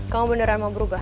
kamu beneran mau berubah